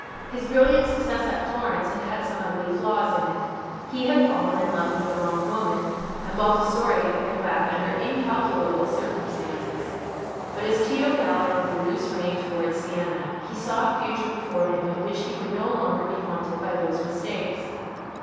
His brilliant success at Florence had had some ugly flaws in it: he had fallen in love with the wrong woman, and Baldassarre had come back under incalculable circumstances. But as Tito galloped with a loose rein towards Siena, he saw a future before him in which he would no longer be haunted by those mistakes.